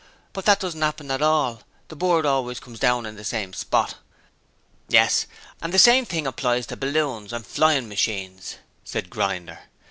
But that doesn't 'appen at all; the bird always comes down in the same spot.' 'Yes, and the same thing applies to balloons and flyin' machines,' said Grinder.